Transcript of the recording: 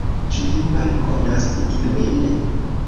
Ĉu vi malkonas iujn?